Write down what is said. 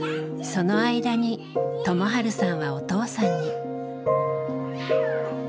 その間に友治さんはお父さんに。